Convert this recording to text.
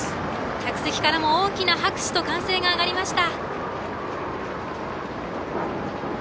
客席からも大きな拍手と歓声が上がりました。